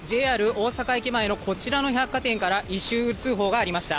大阪駅前のこちらの百貨店から異臭通報がありました。